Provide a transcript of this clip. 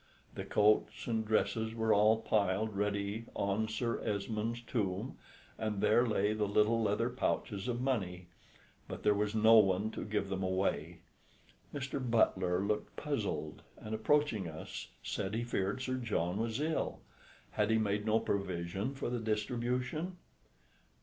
The coats and dresses were all piled ready on Sir Esmoun's tomb, and there lay the little leather pouches of money, but there was no one to give them away. Mr. Butler looked puzzled, and approaching us, said he feared Sir John was ill had he made no provision for the distribution?